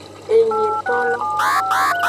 Enyitolo.